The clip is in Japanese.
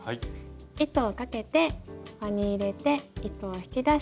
糸をかけて輪に入れて糸を引き出し